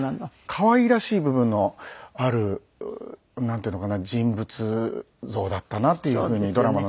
可愛らしい部分のあるなんていうのかな人物像だったなっていうふうにドラマの中では。